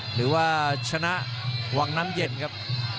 หรือว่าชนะวังน้ำเย็นครับ